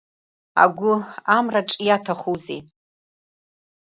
Агәы амраҿ иаҭахузеи…